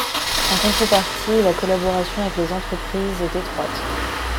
En contrepartie, la collaboration avec les entreprises est étroite.